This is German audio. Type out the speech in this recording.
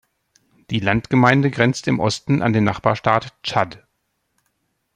Die Landgemeinde grenzt im Osten an den Nachbarstaat Tschad.